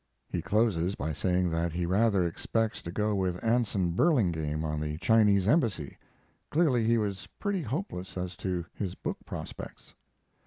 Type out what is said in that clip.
He closes by saying that he rather expects to go with Anson Burlingame on the Chinese embassy. Clearly he was pretty hopeless as to his book prospects.